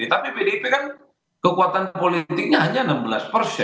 tapi pdip kan kekuatan politiknya hanya enam belas persen